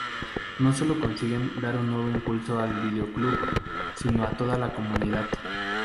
No sólo consiguen dar un nuevo impulso al videoclub, sino a toda la comunidad.